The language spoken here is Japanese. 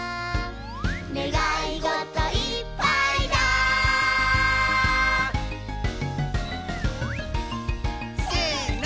「ねがいごといっぱいだ」せの！